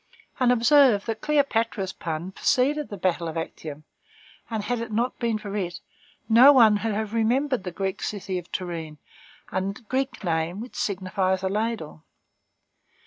And observe that Cleopatra's pun preceded the battle of Actium, and that had it not been for it, no one would have remembered the city of Toryne, a Greek name which signifies a ladle.